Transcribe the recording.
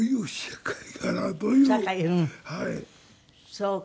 そうか。